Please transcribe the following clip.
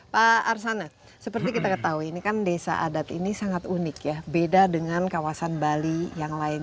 pak arsana seperti kita ketahui ini kan desa adat ini sangat unik ya beda dengan kawasan bali yang lain